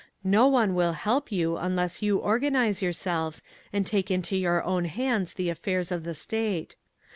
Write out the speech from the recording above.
No one will help you unless you organise yourselves and take into your own hands the affairs of the State.